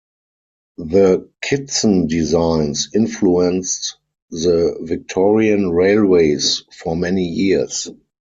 The Kitson designs influenced the Victorian Railways for many years.